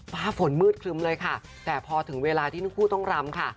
ฟ้าฝนมืดครึ้มเลยค่ะแต่พอถึงเวลาที่ทั้งคู่ต้องรำค่ะ